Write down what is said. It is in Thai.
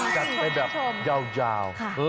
จัดเป็นแบบเจ้า